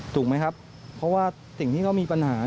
ถูกไหมครับเพราะว่าสิ่งที่เขามีปัญหา